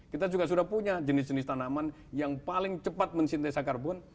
kita juga sudah punya jenis jenis tanaman yang paling cepat mensintesa karbon